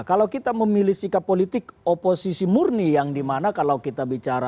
kalau kita memilih sikap politik oposisi murni yang dimana kalau kita bicara